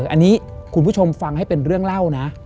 อันนี้คุณผู้ชมฟังให้เป็นเรื่องเล่านะ